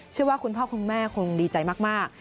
เชื่อว่าคุณพ่อคุณแม่คงดีใจมาก